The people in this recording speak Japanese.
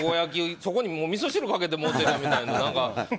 そこにみそ汁かけてもうてるみたいな。